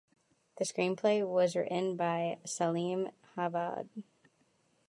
The screenplay was written by Salim-Javed.